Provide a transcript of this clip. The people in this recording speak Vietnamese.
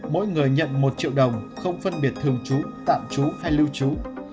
mỗi người nhận một triệu đồng không phân biệt thường trú tạm trú hay lưu trú